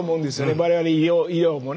我々医療もね。